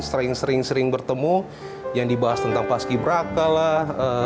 sering sering bertemu yang dibahas tentang pasuki beraka lah